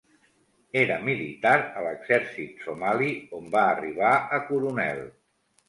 Era militar a l'exèrcit somali on va arribar a coronel.